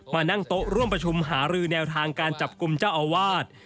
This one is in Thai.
มานั่งโต๊ะร่วมประชุมหารือแนวทางการจับกลุ่มเจ้าอาวาส